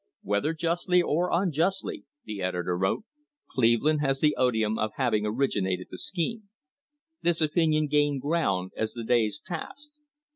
"Whether justly or unjustly," the editor wrote, "Cleveland has the odium of hav ing originated the scheme." This opinion gained ground as the days passed.